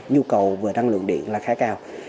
như cầu về năng lượng điện là khá cao